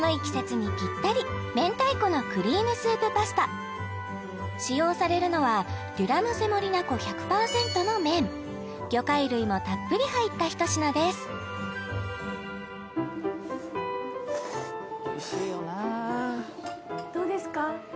季節にぴったり明太子のクリームスープパスタ使用されるのはデュラムセモリナ粉１００％の麺魚介類もたっぷり入ったひと品ですどうですか？